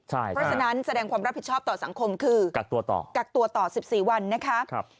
เพราะฉะนั้นแสดงความรับผิดชอบต่อสังคมคือกักตัวต่อ๑๔วันนะครับ